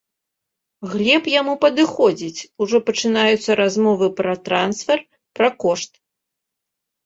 Глеб яму падыходзіць, ужо пачынаюцца размовы пра трансфер, пра кошт.